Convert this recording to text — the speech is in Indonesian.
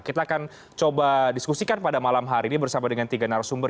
kita akan coba diskusikan pada malam hari ini bersama dengan tiga narasumber